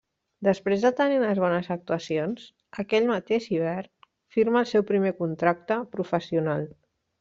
Després de tenir unes bones actuacions aquell mateix hivern firma el seu primer contracte professional.